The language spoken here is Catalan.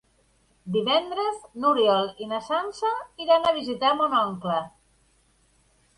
Divendres n'Oriol i na Sança iran a visitar mon oncle.